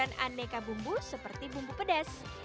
dan keguguran aneka bumbu seperti bumbu pedas